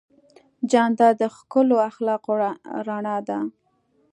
جانداد د ښکلو اخلاقو رڼا ده.